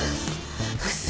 嘘。